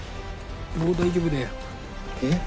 もう大丈夫だよ。